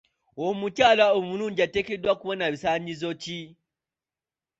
Omukyala omulungi ateekwa kuba na bisaanyizo ki?